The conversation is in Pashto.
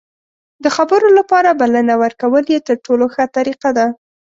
د خبرو لپاره بلنه ورکول یې تر ټولو ښه طریقه ده.